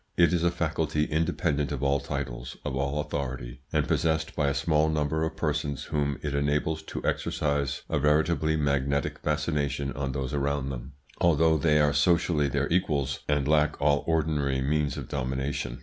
It is a faculty independent of all titles, of all authority, and possessed by a small number of persons whom it enables to exercise a veritably magnetic fascination on those around them, although they are socially their equals, and lack all ordinary means of domination.